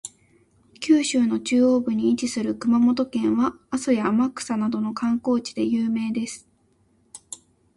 九州の中央部に位置する熊本県は、阿蘇や天草などの観光地で有名です。